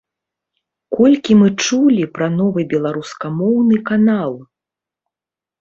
Колькі мы чулі пра новы беларускамоўны канал!